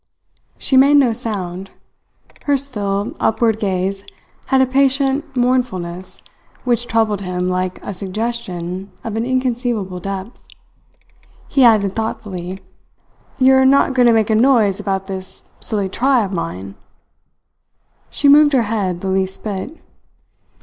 She made no sound. Her still, upward gaze had a patient, mournfulness which troubled him like a suggestion of an inconceivable depth. He added thoughtfully: "You are not going to make a noise about this silly try of mine?" She moved her head the least bit.